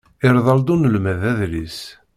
Irḍel-d unelmad adlis.